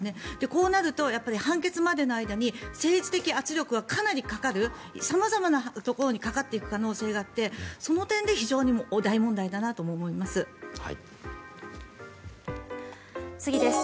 こうなると、やっぱり判決までの間に政治的圧力がかなりかかる、様々なところにかかっていく可能性があってその点で非常に大問題だなとも思います。